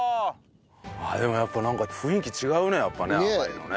ああでもやっぱなんか雰囲気違うねやっぱね赤いのね。